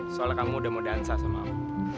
soalnya kamu udah mau dansa sama aku